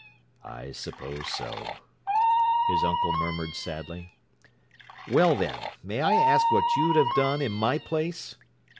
"I suppose so," his uncle murmured sadly. "Well, then, may I ask what you'd have done, in my place?"